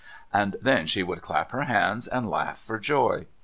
And then she would clap her hands, and laugh for joy.